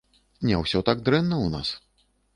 Не ўсё так дрэнна ў нас.